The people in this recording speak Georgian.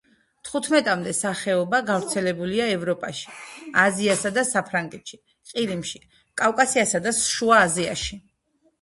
თხუთმეტამდე სახეობა გავრცელებულია ევროპაში, აზიასა და აფრიკაში, ყირიმში, კავკასიასა და შუა აზიაში.